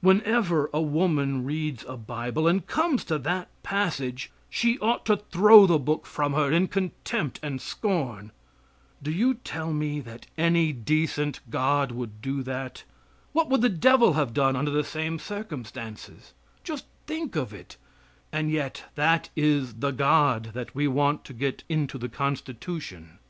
Whenever a woman reads a Bible and comes to that passage, she ought to throw the book from her in contempt and scorn. Do you tell me that any decent god would do that? What would the devil have done under the same circumstances? Just think of it, and yet that is the God that we want to get into the Constitution.